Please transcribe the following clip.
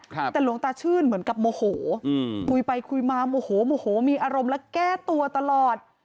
แต่หลวงตาชื่นเหมือนกับโมโหอืมคุยไปคุยมาโมโหโมโหมีอารมณ์และแก้ตัวตลอด